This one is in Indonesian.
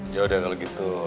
yaudah kalau gitu